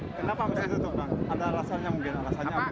kenapa harus ditutup ada alasannya mungkin